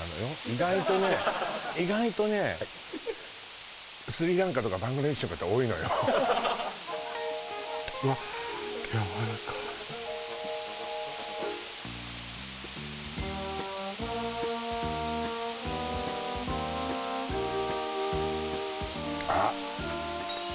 意外とね意外とねスリランカとかバングラデシュの方多いのよわっやわらかいあっ